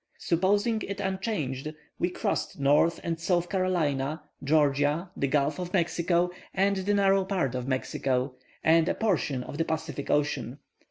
Supposing it unchanged, we crossed North and South Carolina, Georgia, the Gulf of Mexico, and the narrow part of Mexico, and a portion of the Pacific Ocean.